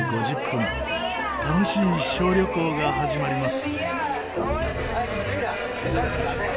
楽しい小旅行が始まります。